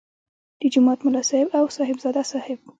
د جومات ملا صاحب او صاحبزاده صاحب.